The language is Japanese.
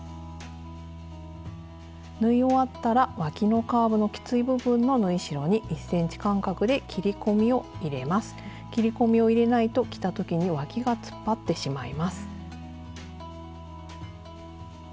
縫い終わったらわきのカーブのきつい部分の縫い代に切り込みを入れないと着た時にわきが突っ張ってしまいます。